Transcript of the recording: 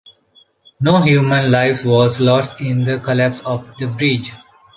No human life was lost in the collapse of the bridge.